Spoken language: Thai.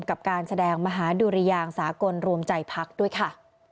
กับการแสดงมหาดุริยางสากลรวมใจพักด้วยค่ะ